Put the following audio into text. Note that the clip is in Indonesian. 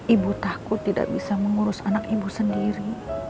ibu takut tidak bisa mengurus anak ibu sendiri